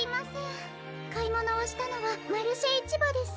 かいものをしたのはマルシェいちばです。